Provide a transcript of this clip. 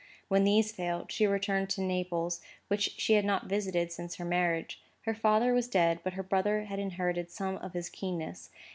When these failed, she returned to Naples, which she had not visited since her marriage. Her father was dead; but her brother inherited some of his keenness.